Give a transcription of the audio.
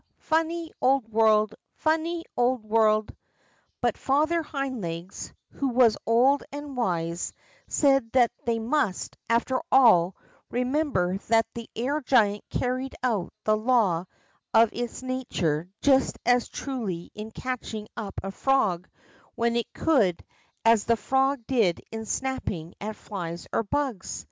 Funny old world! Funny old world !" But Father Hind Legs, who was old and wise, said that they must, after all, remember that the air giant carried out the law of its nature just as truly in catching up a frog when it could as the frog did in snapping at flies or hugs.